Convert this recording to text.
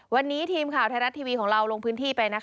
วันนี้ทีมข่าวไทยรัฐทีวีของเราลงพื้นที่ไป